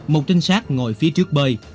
một trinh sát ngồi phía trước bơi